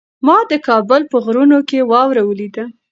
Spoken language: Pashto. ما د کابل په غرونو کې واوره ولیده.